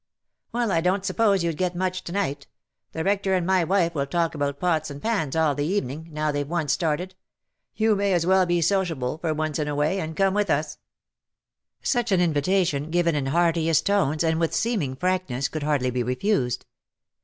" Well, I don^t suppose you'd get much to night. The Rector and my wife will talk about pots and pans all the evening, now they've once started. You may as well be sociable, for once in a way, and come with us." s2 260 '^WHO KNOWS NOT CIRCE?" Sucli an invitation_, given in heartiest tones^ and with seeming frankness^ could hardly be refused.